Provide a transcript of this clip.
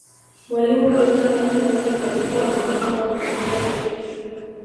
mwalimu benjamin jackson alikuwa amepanga kumfuta shule